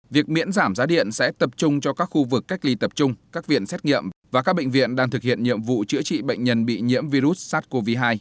việc miễn giảm giá điện sẽ tập trung cho các khu vực cách ly tập trung các viện xét nghiệm và các bệnh viện đang thực hiện nhiệm vụ chữa trị bệnh nhân bị nhiễm virus sars cov hai